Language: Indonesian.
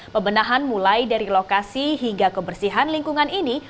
pembenahan mulai dari lokasi hingga kebersihan lingkungan ini